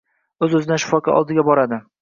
O‘z-o‘zidan shifokor oldiga boradi.